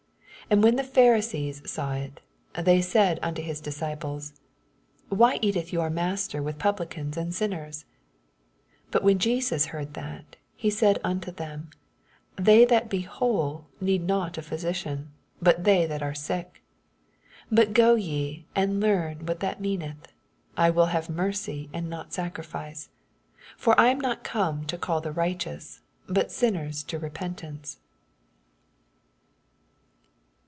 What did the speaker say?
11 And when the Pharisees saw U^ they said unto his disciples. Why eateth your Master with Publicans and sinners ? 12 But when Jesus heard that^ he said unto them, They that be wnole need not a physician, but they that are sick. 18 But 20 ye and learn what that meaneth, 1 will have mercy and not sacrifice : for 1 am not come to call the rlghteoos, but sinners to repentance.